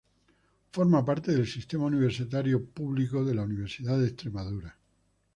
Forma parte del sistema universitario público de la Universidad de Extremadura.